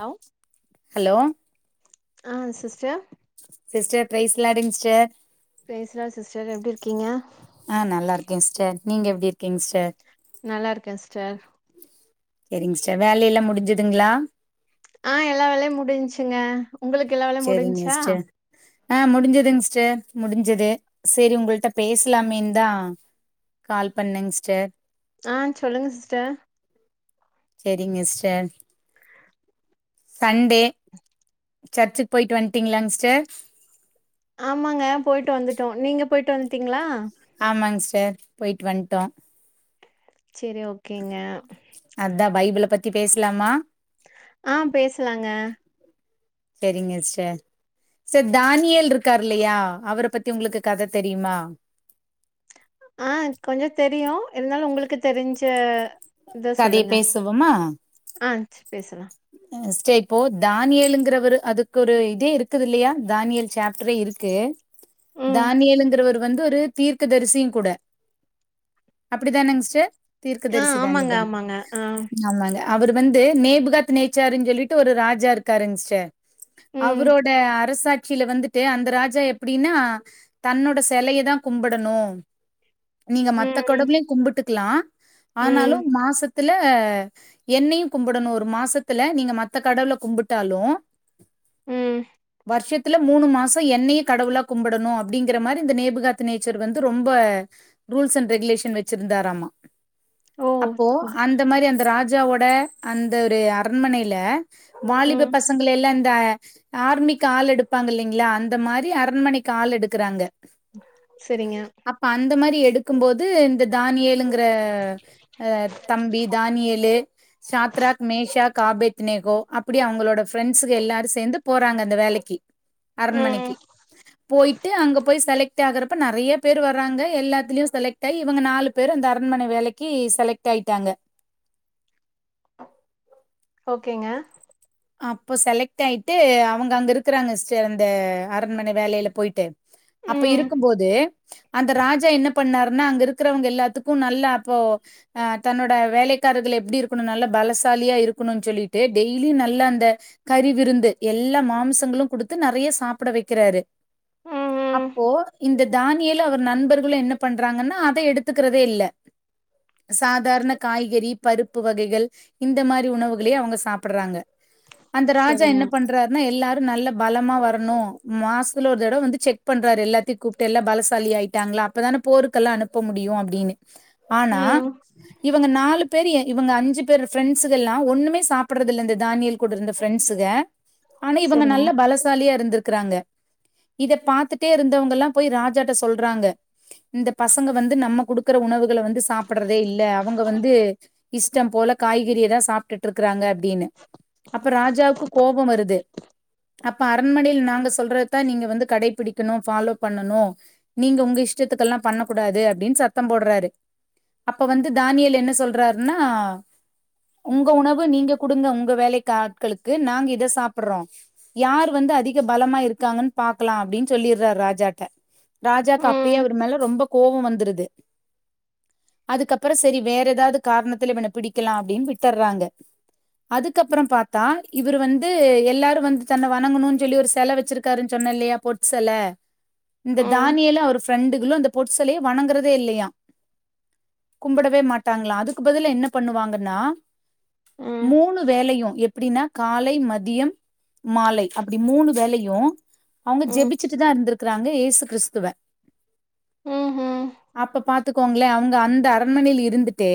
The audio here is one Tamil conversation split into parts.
ஹலோ ஹலோ ஆ sister sister praise the லார்ட்ங் sister praise lord sister எப்டி இருக்கீங்க ஆ நல்லா இருக்கே சிஸ்டர் நீங்க எப்டி இருக்கீங்க சிஸ்டர் நல்லா இருக்கே சிஸ்டர் சேரிங்க சிஸ்டர் வேலல்லா முடிஞ்சுதுங்ளா ஆ எல்லா வேலயு முடிஞ்சுங்க உங்குளுக்கு எல்லா வேலயு செரிங்க முடிஞ்சா சிஸ்டர் ஆ முடிஞ்சதுங்க சிஸ்டர் முடிஞ்சது சோரி உங்கள்ட்ட பேசலாமேன்தா கால் பண்ணேங் சிஸ்டர் ஆ சொல்லுங்க சிஸ்டர் சேரிங்க சிஸ்டர் சண்டே சர்ச்சுக்கு போயிட்டு வண்ட்டீங்ளா சிஸ்டர் ஆமாங்க போயிட்டு வந்துட்டோ நீங்க போயிட்டு வந்துட்டீங்ளா ஆமாங்க சிஸ்டர் போயிட்டு வண்ட்டோ செரி ஓகேங்க அத்தா பைபிள பத்தி பேசலாமா ஆ பேசலாங்க செரிங்க சிஸ்டர் சர் தானியல் இருக்காரு இல்லியா அவர பத்தி உங்களுக்கு கத தெரியுமா ஆ கொஞ்சோ தெரியு இருந்தாலு உங்களுக்கு தெரிஞ்ச இத கதைய சொல்லுங்க பேசுவோமா ஆ சேர் பேசலா சிஸ்டர் இப்போ தானியல்லுங்கிறவரு அதுக்கு ஒரு இதே இருக்குது இல்லியா தானியல் சாப்டரே இருக்கு ம் தானியலிங்கிறவரு வந்து ஒரு தீர்க்க தரிசியும் கூட அப்டிதாங்க சிஸ்டர் தீர்க்க ஆ தரிசி தானே ஆமாங்க தான ஆமாங்க ஆ ஆமாங்க அவரு வந்து நேபுகா நேச்சருன்னு சொல்லிட்டு ஒரு ராஜா இருக்காருங் சிஸ்டர் ம் அவரோட அரசாட் ட்சில வந்துட்டு அந்த ராஜா எப்டின்னா தன்னோட செலய தா கும்பிடணு நீங்க மத்த ம் கடவுளையு கும்பிட்டுக்கலா ஆனாலு ம் மாச தில எண்ணெயு கும்பிடணு ஒரு மாசத் த்தில நீங்க மத்த கடவுள கும்பிட்டாலு ம் வருஷத்துல மூணு மாசோ என்னையு கடவுளா கும்பிடணு அப்டிங்கிற மாரி இந்த நேபுகாத்து நேச்சர் வந்து ரொம்ப ரூல்ஸ் அண்ட் ரெகுலேஷன் வெச்சிருந்தாராமா ஓ அப்போ ஓகே அந்த மாரி அந்த ராஜாவோட அந்த ஒரு அரண்மனையில வாலிப ம் பசங்களயெல்லா இந்த ஆர்மிக்கு ஆள் எடுப்பாங்க இல்லிங்களா அந்த மாரி அரண்மனைக்கு ஆள் எடுக்குறாங்க செரிங்க அப்ப அந்த மாரி எடுக்கும்போது இந்த தானியேழுங் க்கற தம்பி தானியேலு சாத்ராக் மேஷாக் காபேத்னேகோ அப்டி அவங்களோட ஃப்ரன்ட்ஸ் எல்லாரு சேந்து போறாங்க அந்த வேலைக்கு ம் அரண்மணைக்கு போயிட்டு அங்க போய் செலக்ட் ஆகறப்ப நெறைய பேரு வராங்க எல்லாத்துலயு செலக்ட் ஆகி இவங்க நாலு பேர் பேரு அந்த அரண்மனை வேலைக்கு செலக்ட் ஆயிட்டாங்க ஓகேங்க அப்போ செலக்ட் ஆயிட்டு அவங்க அங்க இருக்கறாங்க சிஸ்டர் அந்த அரண்மனை வேலையில போயிட்டு அப்ப ம் இருக்கும் போது அந்த ராஜா என்ன பண்ணாருன்னா அங்க இருக்கிறவங்க எல்லாத்துக்கு நல்லா அப்போ ஆ தன்னோட வேலைக்காரர்கள் எப்டி இருக்கணு நல்லா பலசாலியா இருக்கணுனு சொல்லிட்டு டெய்லியு நல்ல நல்ல அந்த கறி விருந்து எல்லா மாமிசங்களு குடுத்து நெறைய சாப்பிட வைக்கிறாரு ம் ம் அப்போ இந்த தானியேலு அவர் நண்பர்களு என்ன பண்றாங்கன்னா அத எடுத்துக்கிறதே இல்ல சாதாரண காய்கறி பருப்பு வகைகள் இந்த மாரி உணவுகளே அவங்க சாப்ட்டிறாங்க அந்த ராஜா செரிங்க என்ன பண் றருனா எல்லாரு நல்ல பலமா வரணு மாசத்துல ஒரு தடவ வந்து செக் பண்றாரு எல்லாத்தையு கூப்பிட்டு எல்லா பலசாலியா ஆயிட்டாங்ளா அப்பதான போருக்கெல்லா அனுப்ப முடியு அப்டின்னு ஆனா ம் இவங்க நாலு பேர் இவங்க அஞ்சு பேர் ஃப்ரெண்ட்ஸ்சுகல்லா ஒண்ணுமே சாப்பிடறது இல்ல இந்த தானியேல் கூட இருந்த ஃப்ரெண்ட்சுக ஆனா இவங்க செரிங்க நல்ல பலசாலியா இருந்திருக்குறாங்க இத பாத்துட்டே இருந்தவங்க எல்லா போய் ராஜாட்ட சொல்றாங்க இந்த பசங்க வந்து நம்ம குடுக்குற உணவுகள வந்து சாப்ட்டுறதே இல்ல அவங்க வந்து இஷ்டம் போல காய்கறியதா சாப்ட்டுட்டு இருக்கறாங்க அப்டின்னு அப்ப ராஜாக்கு கோபம் வருது அப்ப அரண்மனையில நாங்க சொல்றதுதா நீங்க வந்து கடைபிடிக்கணு ஃபாலோ பண்ணணு நீங்க உங்க இஷ்டத்துக்கெல்லா பண்ணக் கூடாது அப்டின்னு சத்தம் போட்றாரு அப்ப வந்து தானியல் என்ன சொல்றாருன்னா உங்க உணவு நீங்க குடுங்க உங்க வேலைக்காட்களுக்கு நாங்க இத சாப்ட்றோ யார் வந்து அதிக பலமா இருக்காங்கன்னு பாக்கலா அப்டின்னு சொல்லிறாரு ராஜாட்ட ராஜாக்கு அப்பயே ம் அவரு மேல ரொம்ப கோவோ வந்திருது அதுக்கப்றோ செரி வேற எதாவது காரணத்துல இவன பிடிக்கலா அப்டின்னு விட்டுர்றாங்க அதுக்கப் அப்றோ பாத்தா இவரு வந்து எல்லாரு வந்து தன்ன வணங்கணுன்னு சொல்லி ஒரு செல வெச்சிருக்காருன்னு சொன்னேன்ல பொட்செல இந்த ம் தானியல்லு அவர் ஃப்ரெண்டுகளு இந்த பொட்செலய வணங்கறதே இல்லயா கும்பிடவே மாட்டாங்களா அதுக்கு பதில என்ன பண்ணுவாங்கன்னா ம் மூணு வேலையு எப்டின்னா காலை மதியம் மாலை அப்டி மூணு வேலையு அவங்க ம் ஜெபிச்சுட்டுதா இருந்திருக்குறாங்க யேசு கிறிஸ்துவ ம்ஹு அப்ப பாத்துக்கோங்களே அவங்க அந்த அரண்மனைல இருந்துட்டே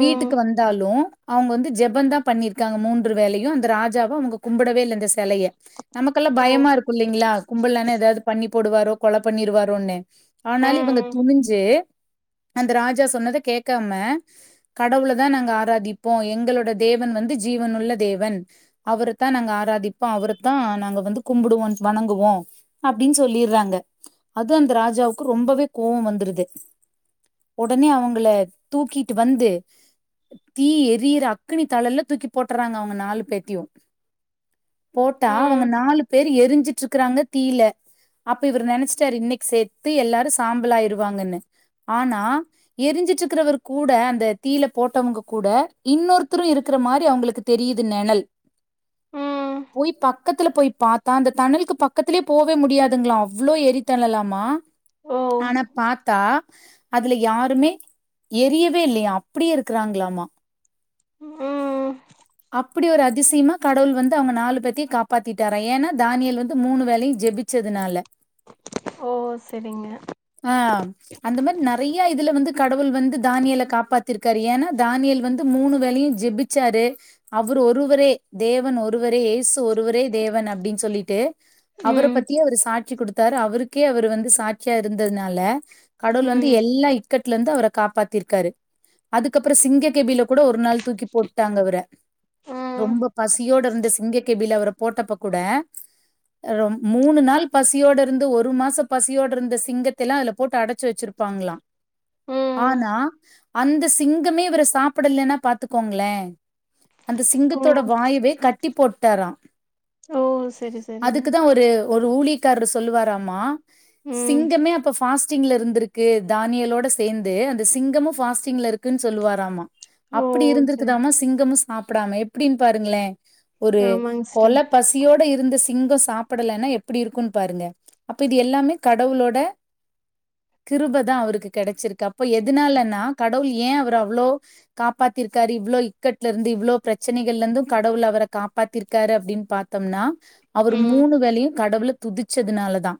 ம் வீட்டுக்கு வந்தாலு அவங்க வந்து ஜெப தா பண்ணிரு காங்க மூன்று வேலையு அந்த ராஜாவா அவங்க கும்பிடவே இல்ல இந்த செலயை நமக்கெல்லா ஓ பயமா இருக்கு இல்லைங்களா கும்பலனா ஏதாவது பண்ணி போடுவாரோ கொலை பண்ணிருவாரோன்னு ஆனாலு இவங்க ம் துணிஞ்சி அந்த ராஜா சொன்னத கேக்காம கடவுளதா நாங்க ஆராதிப்போ எங்களோட தேவன் வந்து ஜீவனுள்ள தேவன் அவரத்தா நாங்க ஆராதிப்போ அவரத்தா நாங்க வந்து கும்பிடுவோ வணங்குவோ அப்டின்னு சொல்லிறாங்க அது அந்த ராஜாவுக்கு ரொம்பவே கோவ வந்துருது ஒடனே அவங்கள தூக்கிட்டு வந்து தீ எரியிற அக்னி தளல்ல தூக்கிப் போட்டுறாங்க அவங்க நாலு பேத்தையு போட்டா அவங்க ம் நாலு பேர் எரிஞ்சுட்டு இருக்கறாங்க தீல அப்ப இவரு நெனச்சிட்டாரு இன்னைக்கு செத்து எல்லாரு சாம்பலாயிருவாங்கன்னு ஆனா எரிஞ்சிட்டு இருக்கிறவர் கூட அந்த தீல போட்டவங்க கூட இன்னொருத்தரு இருக்கற மாரி அவங்களுக்கு தெரியிது நெணல் ம் போய் பக்கத்துல போய் பாத்தா அந்த தணலுக்கு பக்கத்திலயே போவே முடியாதுங்களா அவ்ளோ எரித்தனலாமா ஓ ஆனா பாத்தா அதுல யாருமே எரியவே இல்லையா அப்டியெ இருக்குறாங்களாமா ம் அப்படி ஒரு அதிசயமா கடவுள் வந்து அவங்க நாலு பேத்தையு காப்பாத்திட்டாரா ஏன்னா தானியல் வந்து மூணு வேலையு ஜெபிச் ச்சதுனால ஓ சரிங்க ஆ அந்த மாரி நெறைய இதுல வந்து கடவுள் வந்து தானியல காப்பாத்திருக்காரு ஏன்னா தானியல் வந்து மூணு வேலையு ஜெபிச் ச்சாரு அவர் ஒருவரே தேவன் ஒருவரே யேசு ஒருவரே தேவன் அப்டின் சொல்லிட்டு அவர ம் பத்தி அவரு சாட்சி கொடுத்தாரு அவருக்கே அவரு வந்து சாட்சியா இருந்ததுனால கடவுள் வந்து ம் எல்லா இக்கட்ல இருந்து அவர காப்பாத்திருக்காரு அதுக்கப்புற சிங்க கேபியில கூட ஒரு நாள் தூக்கி போட்டாங்க அவர ம் ரொம்ப பசியோட இருந்த சிங்க கேபில அவர போட்டப்ப கூட மூணு நாள் பசியோட இருந்து ஒரு மாசம் பசியோட இருந்த சிங்கத்தெல்லா அதுல போட்டு அடச் ச்சு வச்சிருப்பாங்களா ம் ஆனா அந்த சிங்கமே இவர சாப்பிடல்லன்னா பாத்துக்கோங்களே அந்த சிங்கத்தோட ம் வாயவே கட்டி போட்டாரா ஓ செரி செரிங்க அதுக்குதா ஒரு ஒரு ஊலிக்காரர் சொல்லுவாராமா ம் சிங்கமே அப்ப ஃபாஸ்ட் ஸ்டிங்ல இருந்திருக்கு தானியலோட சேந்து அந்த சிங்கமு ஃபாஸ்டிங்ல இருக்குன் சொல்லுவாராமா ஓ அப்டி செரி இருந்திருக்குதாம சிங்கமு சாப்பிடாம எப்டின்னு பாருங்ளே ஒரு ஆமாங்க கொல சிஸ்டர் பசி சியோட இருந்த சிங்க சாப்பிடலன்னா எப்படி இருக்குன் பாருங்க அப்ப இது எல்லாமே கடவுளோட கிருபதா அவருக்கு கெடச்சிருக்கு அப்போ எதுனாலன்னா கடவுள் ஏ அவர அவ்ளோ காப்பாத்திருக்காரு இவ்ளோ இக்கட் இருந்து இவ்ளோ பிரச்சனைகள்ல இருந்து கடவுள் அவர காப்பாத்திருக்காரு அப்டின்னு பாத்தோம்னா அவர் ம் மூணு வேலையு கடவுளு துதிச்சதுனாலதா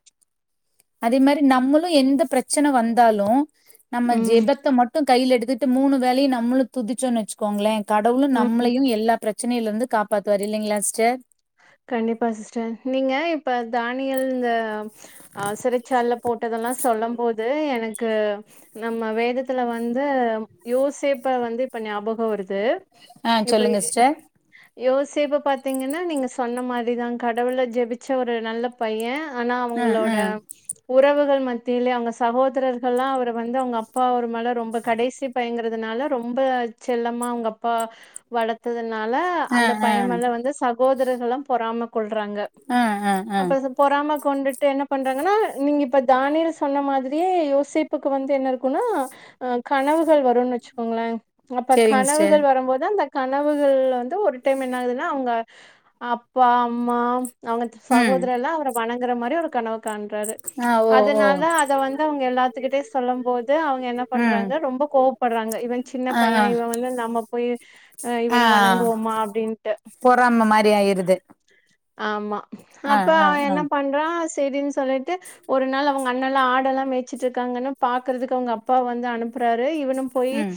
அதே மாரி நம்மளு எந்த பிரச்சன வந்தாலு நம்ம ம் ஜெபத்த மட்டு கையில எடுத்துட்டு மூணு வேலையு நம்மளு துதிச்சோன்னு வெச்சுக்கோங்களே கடவுளு ம் நம்மளையு எல்லா பிரச்சனையில இருந்து காப்பாத்துவாரு இல்லிங்ளா சிஸ்டர் கண்டிப்பா சிஸ்டர் நீங்க இப்ப தானியல் இந்த ஆ சிறைச்சாலைல போட்டதெல்லா சொல்லும் போது எனக்கு நம்ம வேதத்துல வந்து யோசேப்ப வந்து இப்ப ஞாபகோ வருது ஆ இப்ப சொல்லுங்க சிஸ்டர் யோசேப்ப பாத்தீங்கன்னா நீங்க சொன்ன மாரிதா கடவுள ஜெபிச்ச ஒரு நல்ல பைய ஆனா ஆ ஆ அவங்களோட உறவுகள் மத்தியில அவங்க சகோதரர்கள்லா அவர வந்து அவங்க அப்பா அவர் மேல ரொம்ப கடைசி பையங்கறதுனால ரொம்ப செல்லமா அவங்க அப்பா வளத் த்ததுனால ஆ அந்த ஆ பைய மேல வந்து சகோதரர்கள் எல்லா பொறாம கொள்றாங்க ஆ ஆ ஆ அப்ப ச- பொறாம கொண்டுட்டு என்ன பண்ணுறாங்கன்னா நீங்க இப்ப தானியல் சொன்ன மாரியே யோசேப்புக்கு வந்து என்ன இருக்குன்னா ஆ கனவுகள் வருன்னு வெச்சுக்கோங்களே அப்ப செரிங்க சிஸ்டர் கனவுகள் வரும்போது அந்த கனவுகள் வந்து ஒரு டைம் என்ன ஆகுதுன்னா அவங்க அப்பா அம்மா அவங்க ம் சகோதர் எல்லா அவர வணங்குற மாரி ஒரு கனவு காண்றாரு ஆ ஓ ஓ அதனால அத வந்து அவங்க எல்லாத்துக்கிட்டயு சொல்லும் போது வந்து அவங்க என்ன ம் பண்றாங்க ரொம்ப கோவப்படுறாங்க இவ சின்ன ஆ ஆ பைய இவ வந்து நம்ம போய் ஆ இவன வணங்குவோமா அப்டின்ட்டு பொறாம மாரி ஆயிருது ஆமா ஆ அப்ப ஆ அவ ஆ என்ன பண் ண்றா சேரின்னு சொல்லிட்டு ஒரு நாள் அவங்க அண்ணல்லா ஆட எல்லா மேய்சட்டு இருக்காங்கன்னு பாக்குறதுக்கு அவங்க அப்பா வந்து அனுப்புறாரு இவனு போயி ம்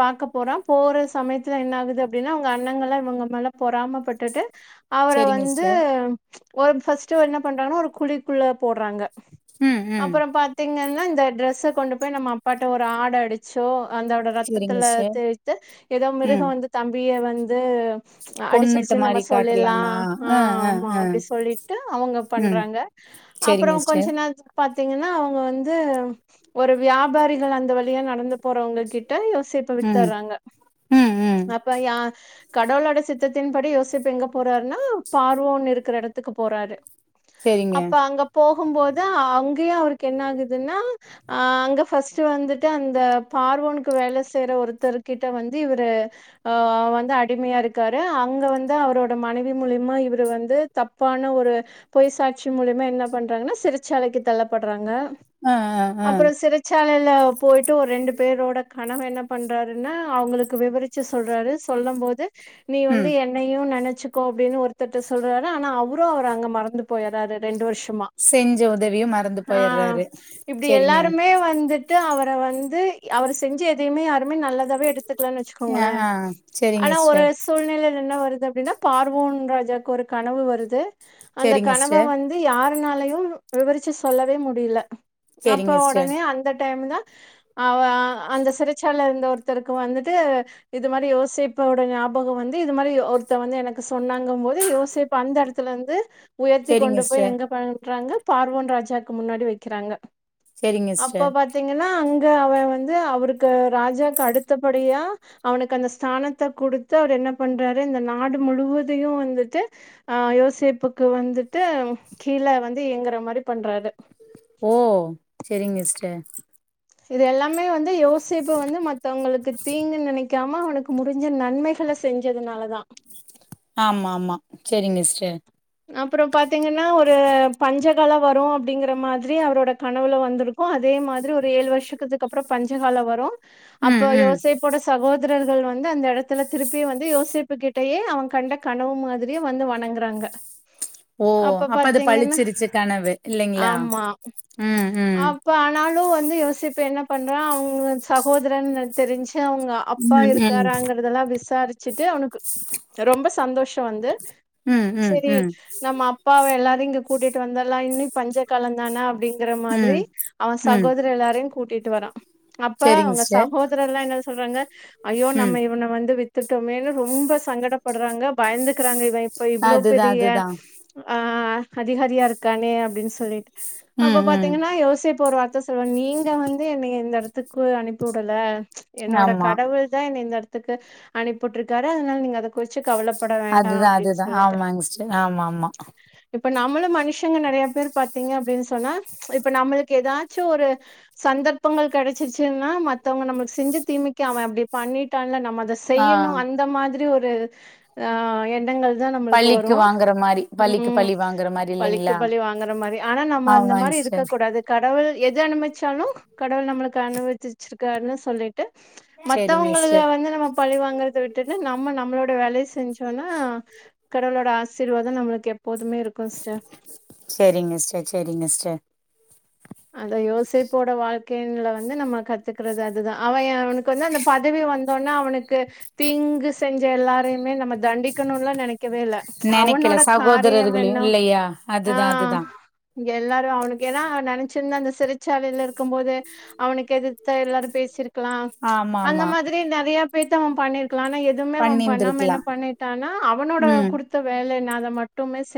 பாக்க போறா போற சமயத்துல என்ன ஆகுது அப்டின்னா அவங்க அண்ணங்கல்லா இவங்க மேல பொறாமப்பட்டுட்டு செரிங்க சிஸ்டர் ஒரு ஃப்ஸ்ட் என்ன பண்றாங்கன்னா ஒரு குழிக்குள்ள போட்றாங்க ம் ம் அப்றோ பாத் பாத்தீங்கன்னா இந்த டிரெஸ்ஸ கொண்டு போய் நம் அப்பாட்ட ஒரு ஆட அடிச் சோ அந்தோட சேரிங்க ரத்தத்துல சிஸ்டர் தேய்த்து எதோ மிருகோ வந்து தம்பிய வந்து கொண்ணுட்ட மாரி காட் எல்லா ஆ ஆமா அப்டி சொல்லிட்டு அவங்க ம் பண்றாங்க அப்றோ சேரிங்க சிஸ்டர் கொஞ்சோ நே [unintelligible] பாத்தீங்கன்னா அவங்க வந்து ஒரு வியாபாரிகள் அந்த வழியா நடந்து போறவங்க கிட்ட ம் வித்துர்றாங்க ம் ம் அப்ப கடவுளோட சித்தத்தின்படி யோச [unintelligible] எங்க போறாருன்னா பார்வோன்ன இருக்கிற எடத்துக்கு போறாரு சேரிங்க அப்ப அங்க போகும்போது அங்கயு அவருக்கு என்ன ஆகுதுன்னா ஆ அங்க ஃபர்ஸ்ட் வந்துட்டு அந்த பார்வோனுக்கு வேல செய்யற ஒருத்தரு கிட்ட வந்து இவரு ஆ வந்து அடிமையா இருக்காரு அங்க வந் ந்து அவரோட மனைவி மூலிமா இவரு வந்து தப்பான ஒரு பொய் சாட்சி மூலியமா என்ன பண்றாங்கன்னா சிறைச்சாலைக்கு தள்ளப்படுறாங்க ஆ ஆ ஆ அப்றோ சிறை சாலையில போயிட்டு ஒரு ரெண்டு பேரோட கணவ என்ன பண்றாருன்னா அவங்களுக்கு விவரி சொல்றாரு சொல்லு போது நீ வந்து ம் என்னையு நெனச்சுக்கோ அப்டின்னு ஒருத் திட்ட சொல்றாரு ஆனா அவரு அவர் அங்க மறந்து போயிறாரு ரெண்டு வருஷமா செஞ்சோ ஆ இப்டி சேரிங்க எல்லாருமே வந்துட் டு அவர வந்து அவரு செஞ்ச எதயுமே யாருமே நல்லதாவே எடுத் த்துக்கலனு ஆ வச்சுக்கோங்களே ஆ சேரிங்க ஆனா ஒரு சிஸ்டர் ஸ் சூழ்நிலைையி என்ன வருது அப்டின்னா பார்வோன் ராஜாக்கு ஒரு கனவு வருது அந்த சேரிங்க கனவ சிஸ்டர் வந் து யாருனாலயு விவரிச்சு சொல்லவே முடில அப்ப சேரிங்க சிஸ்டர் ஒடனே அந்த டைம் தா அவ அந்த சிறைச்சால இருந்த ஒருத்தருக்கு வந்துட்டு இது மாரி யோசிப்போட ஞாபக வந்து இது மாரி ஒருத் த்த வந்து எனக்கு சொன்னாங்க போது யோசிப்ப அந்த எடத்துல வந்து உயர்த்தி சேரிங்க கொண்டு போய் சிஸ்டர் எங்க பண்றாங்க பார்வன் ராஜாக்கு முன்னாடி வைக்கிறாங்க சேரிங்க அப்ப சிஸ்டர் பாத் பாத்தீங்கன்னா அங்க அவ வந்து அவருக்கு ராஜாக்கு அடுத்தபடியா அவனுக்கு அந்த ஸ்தானத்த குடுத்து அவரு என்ன பண்றாரு இந்த நாடு முழுவதையு வந்துட்டு அ யோசிப்புக்கு வந்துட்டு கீழ வந்து இயங்குற மாரி பண்றாரு ஓ சரிங்க சிஸ்ட இது எல்லாமே வந்து யோசிப்பு வந்து மத்தவங்களுக்கு தீங்கு நெனைக்காம அவனுக்கு முடிஞ்ச நன்மைகள செஞ்சதுனால தா ஆமா ஆமா செரிங்க சிஸ்டர் அப்றொ பாத்தீங்கன்னா ஒரு பஞ்சகலா வரு அப்டிங்கற மாதிரி அவரோட கனவுல வந்துரு அதே மாதிரி ஒரு ஏழு வருஷத்துக்கு அப்றோ பஞ்சகால வரு ம் அப்ப ம் யோசிப் போட சகோதரர்கள் வந்து அந்த எடத்துல திருப்பி வந்து யோசிப்புகிட்டயே அவங் கண்ட கனவு மாதிரியே வந்து வணங்குறாங்க ஓ அப்ப அது பலிச்சிருச்சு கனவு இல்லங்ளா ம் ம் இப்போ ஆனாலு வந்து யோசிப்பு என்ன பண்றா அவங்க சகோதரன் தெரிஞ்சு அவங்க அப்பா ம் ம் இருக்காராங்கறதெல்லா விசாரிச்சுட்டு அவனுக்கு ரொம்ப சந்தோஷ வந்து ம் ம் சரி ம் நம்ம அப்பாவ எல்லாரு இங்க கூட்டிட்டு வந்தலா இன்னு பஞ்ச கால தான அப்டின் ங்கிற மாதிரி ம் அவ ம் சகோதர எல்லாரையு கூட்டிட்டு வரா அப்ப செரிங்க அவங்க சிஸ்டர் சகோதரன் லா என்ன சொல்றாங்க ஐயோ ம் நம்ம இவன வந்து வித்துட்டோமேனு ரொம்ப சங்கடப் படுறாங்க பயந்துக்கிறாங்க இவ இப்ப இவ்ளோ அதுதா பெரிய அதுதா ஆ அதிகாரியா இருக்கானே அப்டின் சொல்லிட் அப்ப ம் ம் பாத்தீங்கன்னா யோசிப் ஒரு வார்த் த சொல்வா நீங்க வந்து என்னைய இந்த எடத்துக்கு அனுப்பிவுடல என்னோட ஆமா கடவுள் தா என்ன இந்த எடத்துக்கு அனுப்பி வுட்ருக்காரு அதனால நீங்க அத குறிச்சு கவலபட வேண்டா அதுதா அப்டின் அதுதா சொல்லிட்டு ஆமாங்க ஆமா ஆமா இப்ப நம்மள மனுஷங்க நெறைய பேர் பாத்தீங்க அப்டின் சொன்னா இப்ப நம்மளுக்கு ஏதாச்சு ஒரு சந்தர்ப்பங்கள் கிடைச்சுச்சுன்னா மத்தவங்க நம்மளுக்கு செஞ்ச தீமைக்கு அவ அப்டி பண்ணிட்டால நம்ம அத ச ஆ செய்யணு அந்த மாதிரி ஒரு ஆ எண்ணங்கள் தா நம் மளுக்கு வரு பழிக்கு வாங்குற மாரி பழிக்கு ம் பழி வாங்குற மாரி பழிக்கு இல்லைங்களா பழி வாங்குற மாரி ஆனா நம்ம அந்த ஆமாங்க மாரி இருக்க சிஸ்டர் கூடாது கடவுள் எது அனுமிச்சாலு கடவுள் நம்மளுக்கு அனுவிச்சிச்சிருக்காருனு சொல்லிட் ட்டு செரிங்க மத்தவங்களுக்கு சிஸ்டர் வந்து நம்ம பழி வாங்கறத விட்டுட்டு நம்ம நம்மளோட வேலய செஞ்சோனா கடவுளோட ஆசீர்வாத நம்மளுக்கு எப்போதுமே இருக்கு சிஸ்டர் செரிங்க ஸ்டர் செரிங்க ஸ்டர் அந்த யோசேப்போட வாழ்க் கேன்ல வந்து நம்ம கத்துக்கறது அதுதா அவ அவனுக்கு வந்து அந்த பதவி வந்தோன அவனுக்கு தீங்கு செஞ்ச எல்லாரையுமே நம்ம தண்டிக்கணுல்லா நெனைக் க்கவேல நெனைக்கல அவனோட காரியம் சகோதரர்களையு என்ன இல்லையா ஆ அதுதா அதுதா எல்லாரு அவனுக்கேனா நெனச் சின்ன அந்த சிறைச்சாலைல இருக்கும் போது அவனுக்கு எதித்தா எல்லாரு பேசிருக் க்கலா ஆமா அந்த ஆமா மாதிரி நெறைய பேத்த அவ பண்ணிரு க்கலா ஆனா எதுவுமே அவ பண்ணாம பண்ணிந்திருக்கலாம் என்னா பண்ணிட்டானா அவனோட ம் குடுத்த வேல என்ன அத மட்டுமே செய்